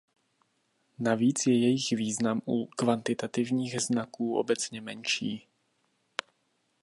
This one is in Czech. Navíc je jejich význam u kvantitativních znaků obecně menší.